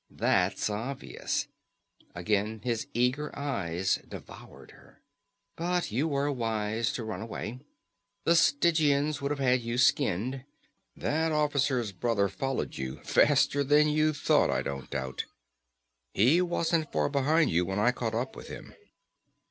"That's obvious!" Again his eager eyes devoured her. "But you were wise to run away. The Stygians would have had you skinned. That officer's brother followed you; faster than you thought, I don't doubt. He wasn't far behind you when I caught up with him.